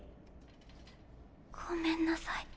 ごめんなさい。